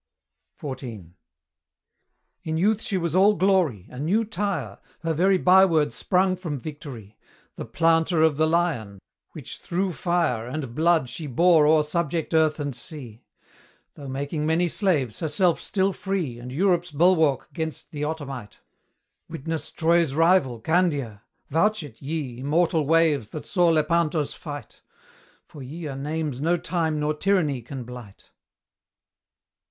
XIV. In youth she was all glory, a new Tyre, Her very byword sprung from victory, The 'Planter of the Lion,' which through fire And blood she bore o'er subject earth and sea; Though making many slaves, herself still free And Europe's bulwark 'gainst the Ottomite: Witness Troy's rival, Candia! Vouch it, ye Immortal waves that saw Lepanto's fight! For ye are names no time nor tyranny can blight.